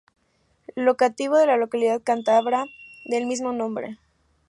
Locativo de la localidad cántabra del mismo nombre.